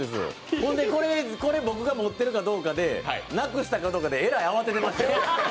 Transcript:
ほんで、これ僕が持ってるかどうかで、なくしたかどうかでえらい慌ててましたよ。